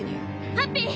ハッピー！